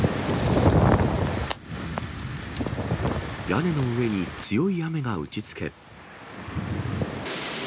屋根の上に強い雨が打ちつけ。